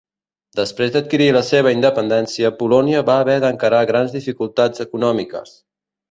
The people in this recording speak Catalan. Després d'adquirir la seva independència, Polònia va haver d'encarar grans dificultats econòmiques.